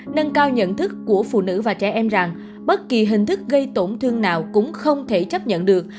nâng cao nhận thức của phụ nữ và trẻ em rằng bất kỳ hình thức gây tổn thương nào cũng không thể chấp nhận được